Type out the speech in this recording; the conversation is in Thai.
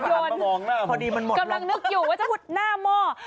พอดีมันหมดแล้วค่ะพอดีกำลังนึกอยู่ว่าจะพูดหน้ามอ